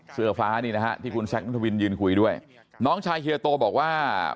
เสื้อฟ้านี่นะฮะที่คุณแซคนัทวินยืนคุยด้วยน้องชายเฮียโตบอกว่า